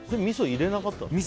みそを入れなかったの？